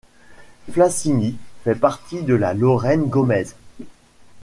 Flassigny fait partie de la Lorraine gaumaise.